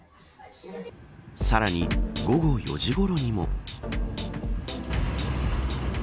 さらに午後４時ごろにも。